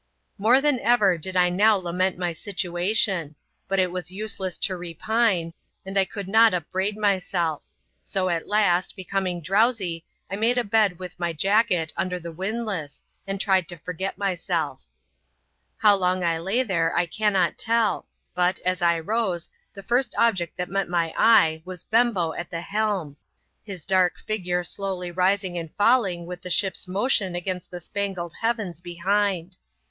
More than ever did I now lament my situation — but it was useless to repine, and I could not upbraid myself. So at last, becoming drowsy, I made a bed with my jacket under ihe windlass, and tried to forget myself. How long I lay there, I cannot tell ; but, as I rose, the first object that met my eye, was Bembo at the helm; his dark figure slowly rising and falling with the ship's motion against the spangled heavens behind.